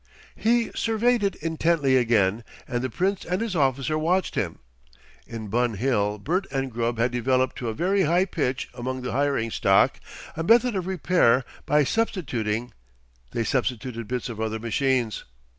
He surveyed it intently again, and the Prince and his officer watched him. In Bun Hill Bert and Grubb had developed to a very high pitch among the hiring stock a method of repair by substituting; they substituted bits of other machines.